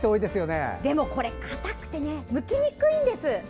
でもこれ、硬くてむきにくいんです。